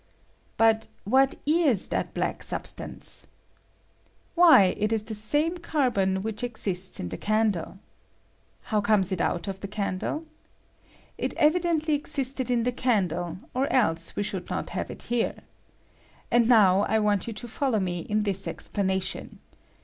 But ^^H what is that black substance ? Why, it is the ^^H same carbon which exisia in the candle. How ^^B cornea it out of the candle ? It evidently ex ^^H iatcd in the candle, or else we should not have ^^H had it here. And now I want you to follow ^^f me in this explanation.